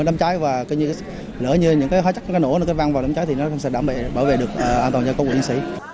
nếu đâm cháy và lỡ những hóa chất nổ văng vào đâm cháy thì nó sẽ bảo vệ được an toàn cho cộng đồng chiến sĩ